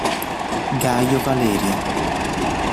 Gaio Valerio